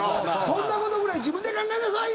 「そんなことぐらい自分で考えなさいよ！」